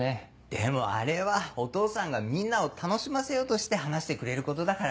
でもあれはお義父さんがみんなを楽しませようとして話してくれることだから。